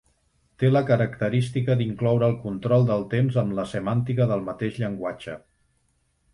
Té la característica d'incloure el control del temps en la semàntica del mateix llenguatge.